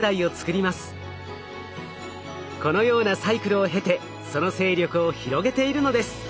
このようなサイクルを経てその勢力を広げているのです。